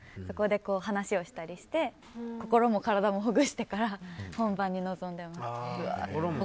そこで話をしたりして心も体もほぐしてから本番に臨んでます。